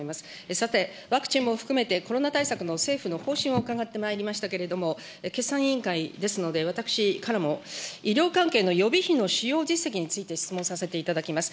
さて、ワクチンも含めてコロナ対策の政府の方針を伺ってまいりましたけれども、決算委員会ですので、私からも、医療関係の予備費の使用実績について質問させていただきます。